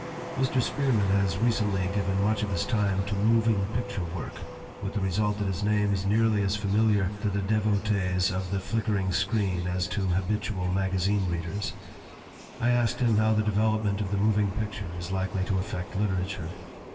Mr. Spearman has recently given much of his time to moving picture work, with the result that his name is nearly as familiar to the devotees of the flickering screen as to habitual magazine readers. I asked him how the development of the moving picture is likely to affect literature.